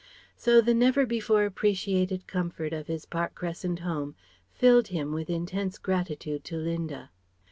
So the never before appreciated comfort of his Park Crescent home filled him with intense gratitude to Linda.